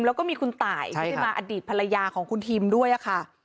แล้วก็มีคุณตายไม่ได้มาอดีตภรรยาของคุณทิมด้วยค่ะ